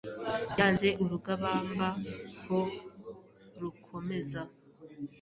Yanze urugabamba ko rukomeza